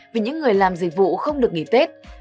vì những người làm dịch vụ không được nghỉ tết